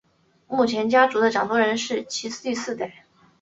目前家族的掌舵人是其第四代。